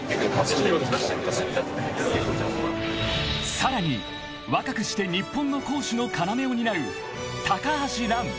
［さらに若くして日本の攻守の要を担う］